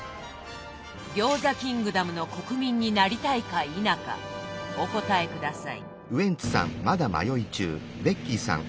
餃子キングダムの国民になりたいか否かお答え下さい。